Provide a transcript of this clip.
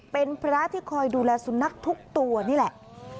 เป็นพระที่คอยดูแลสุนัขทุกตัวนี่แหละ